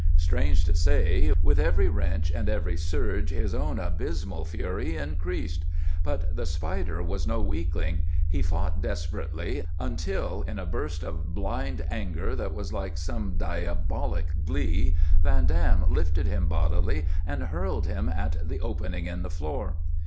Strange to say, with every wrench and every surge his own abysmal fury increased. But the Spider was no weakling; he fought desperately until, in a burst of blind anger that was like some diabolic glee, Van Dam lifted him bodily and hurled him at the opening in the floor.